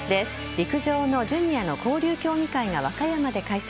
陸上のジュニアの交流競技会が和歌山で開催。